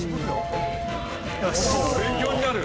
勉強になる！